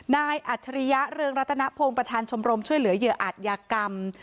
อัจฉริยะเรืองรัตนพงศ์ประธานชมรมช่วยเหลือเหยื่ออาจยากรรม